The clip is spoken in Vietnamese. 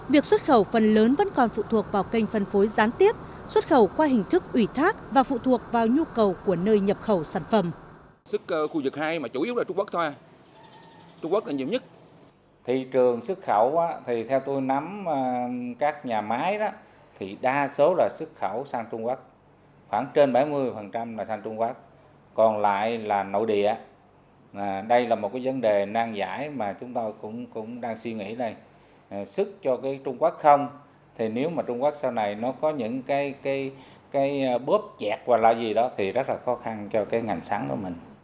việc xuất khẩu phần lớn vẫn còn phụ thuộc vào kênh phân phối gián tiếp xuất khẩu qua hình thức ủy thác và phụ thuộc vào nhu cầu của nơi nhập khẩu